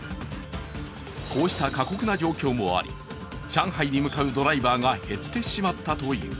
こうした過酷な状況もあり、上海に向かうドライバーが減ってしまったという。